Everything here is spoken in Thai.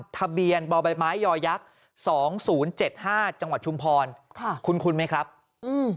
ทะเบียนบ่อใบไม้ยอยักษ์๒๐๗๕จังหวัดชุมพรค่ะคุ้นคุ้นไหมครับอืม